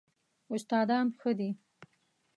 استادان ښه دي؟